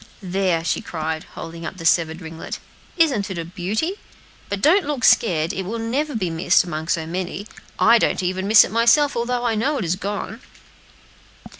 "There," she cried, holding up the severed ringlet, "isn't it a beauty? but don't look scared, it will never be missed among so many; I don't even miss it myself, although I know it is gone."